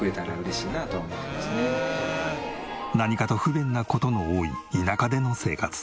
何かと不便な事の多い田舎での生活。